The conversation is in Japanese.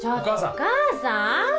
お母さん。